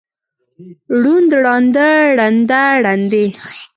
ړوند، ړانده، ړنده، ړندې.